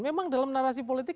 memang dalam narasi politik